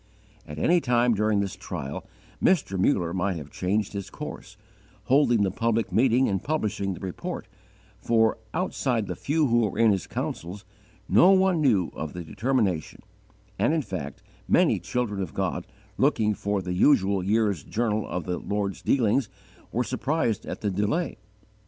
At any time during this trial, Mr. Muller might have changed his course, holding the public meeting and publishing the report, for, outside the few who were in his councils, no one knew of the determination, and in fact many children of God, looking for the usual year's journal of 'The Lord's Dealings,' were surprised at the delay.